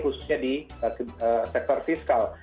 khususnya di sektor fiskal